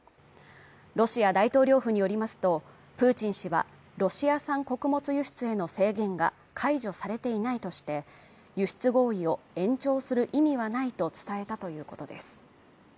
ロシア大統領府によりますとプーチン氏はロシア産穀物輸出への制限が解除されていないとして輸出合意を延長する意味はないと伝えたということです